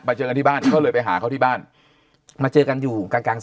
เจอกันที่บ้านเขาเลยไปหาเขาที่บ้านมาเจอกันอยู่กลางกลาง